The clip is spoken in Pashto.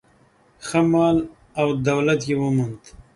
ښه مال او دولت یې وموند.